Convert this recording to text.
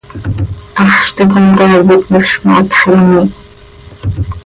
Haxz ticom caay itnifz ma, hacx yomiih.